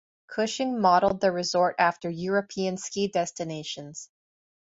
Cushing modeled the resort after European ski destinations.